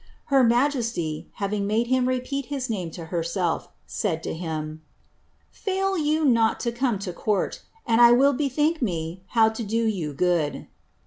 Her majesty, having made is name to herself, said to him, ^ Fail you not to come to will bethink me how to do you good."